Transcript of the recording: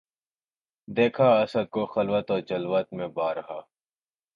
دیکھا اسدؔ کو خلوت و جلوت میں بار ہا